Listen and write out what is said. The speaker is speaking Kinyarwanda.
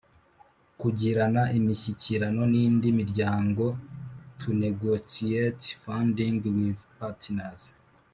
Kugirana imishyikirano n’indi miryango To negotiate funding with partners